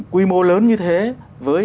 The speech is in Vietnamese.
quy mô lớn như thế với